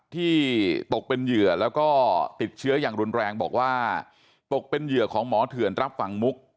ที่ตกเป็นเหยื่อแล้วก็ติดเชื้ออย่างรุนแรงบอกว่าตกเป็นเหยื่อของหมอเถื่อนรับฝั่งมุก